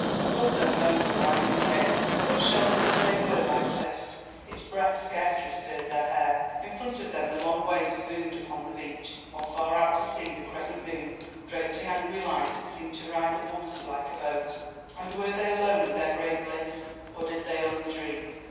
Above them moaned the rising gale, though sheltered as they were by cliffs its breath scarcely stirred their hair. In front of them the long waves boomed upon the beach, while far out to sea the crescent moon, draped in angry light, seemed to ride the waters like a boat. And were they alone with their great bliss, or did they only dream?